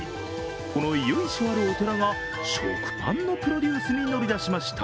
この由緒あるお寺が、食パンのプロデュースに乗り出しました。